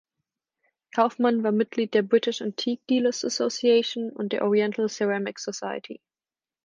Kauffmann war Mitglied der British Antique Dealers’ Association und der Oriental Ceramic Society.